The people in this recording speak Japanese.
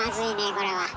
これは。